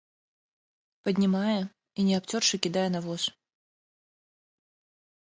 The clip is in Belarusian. Паднімае і не абцёршы кідае на воз.